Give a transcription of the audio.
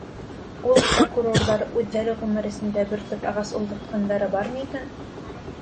Ул прокурорҙар үҙҙәре ғүмер эсендә бер төп ағас ултыртҡандары бармы икән?